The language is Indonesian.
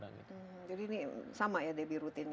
jadi ini sama ya debbie rutinnya